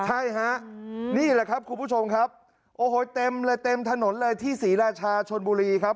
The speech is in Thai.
ใช่ฮะนี่แหละครับคุณผู้ชมครับโอ้โหเต็มเลยเต็มถนนเลยที่ศรีราชาชนบุรีครับ